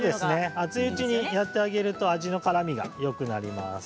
熱いうちにやってあげると味のからみがよくなります。